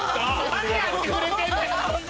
何やってくれてんだ。